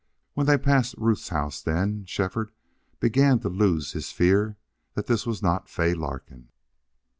When they passed Ruth's house then Shefford began to lose his fear that this was not Fay Larkin.